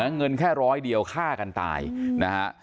เงินแค่๑๐๐เดียวฆ่ากันตายนะครับ